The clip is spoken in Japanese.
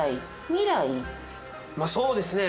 まあそうですね。